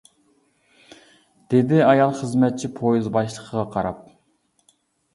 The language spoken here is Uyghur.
-دېدى ئايال خىزمەتچى پويىز باشلىقىغا قاراپ.